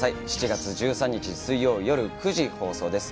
７月１３日、水曜、夜９時放送です。